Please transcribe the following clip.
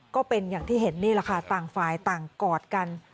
ก็เป็นอย่างที่เห็นนี่แหละค่ะต่างฝ่ายต่างกอดกัน